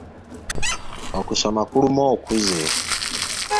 Okusoma kuluma okuze.